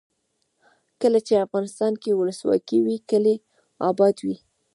کله چې افغانستان کې ولسواکي وي کلي اباد وي.